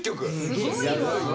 すごいわ。